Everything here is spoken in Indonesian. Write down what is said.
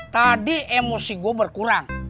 tadi emosi gua berkurang